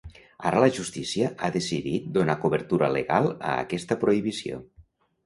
Ara la justícia ha decidit donar cobertura legal a aquesta prohibició.